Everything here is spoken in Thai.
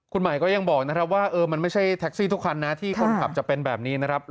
คุณหมายก็ยังบอกนะครับว่ามันไม่ใช่แท็กซี่ทุกคันนะที่คนขับจะเป็นแบบนี้นะครับ